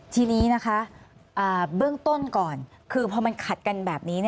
ทีนี้นะคะเบื้องต้นก่อนคือพอมันขัดกันแบบนี้